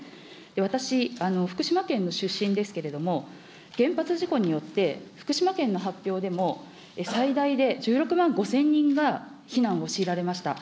私、福島県の出身ですけれども、原発事故によって、福島県の発表でも、最大で１６万５０００人が避難を強いられました。